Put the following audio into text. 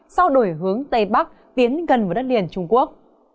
sau đổi hướng tây bắc tiến gần vào đất liền trung quốc